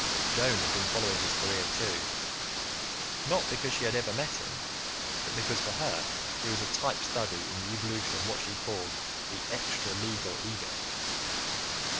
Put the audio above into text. Joan had been following his career, too, not because she had ever met him, but because for her he was a type study in the evolution of what she called "the extra legal ego."